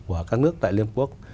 của các nước tại liên hợp quốc